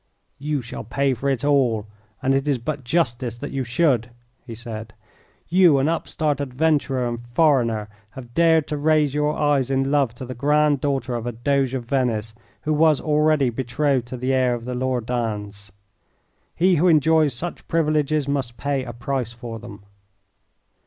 "You shall pay for it all, and it is but justice that you should," he said. "You, an upstart adventurer and foreigner, have dared to raise your eyes in love to the grand daughter of a Doge of Venice who was already betrothed to the heir of the Loredans. He who enjoys such privileges must pay a price for them."